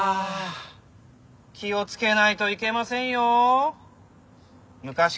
気をつけないといけませんよォーっ。